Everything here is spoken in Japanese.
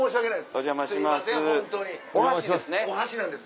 お邪魔します